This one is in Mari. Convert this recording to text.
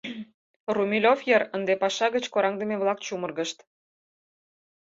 Румелёв йыр ынде паша гыч кораҥдыме-влак чумыргышт.